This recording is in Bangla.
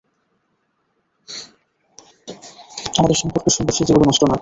আমাদের সম্পর্কের সুন্দর স্মৃতিগুলো নষ্ট না করি।